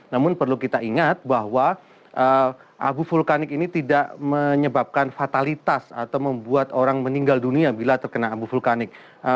namun perlu kita ingat bahwa abu vulkanik ini tidak menyebabkan fatalitas atau membuat orang meninggal dunia bila terkena abu vulkanik